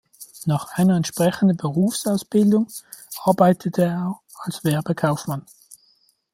Nach einer entsprechenden Berufsausbildung arbeitete er als Werbekaufmann.